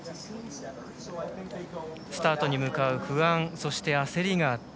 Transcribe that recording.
スタートに向かう不安そして焦りがあった。